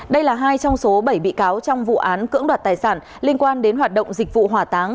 đây là hai trong số bảy bị cáo trong vụ án cưỡng đoạt tài sản liên quan đến hoạt động dịch vụ hỏa táng